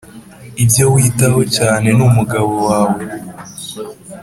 ibyo witaho cyane ni umugabo wae